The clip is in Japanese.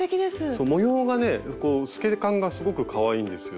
そう模様がね透け感がすごくかわいいんですよね。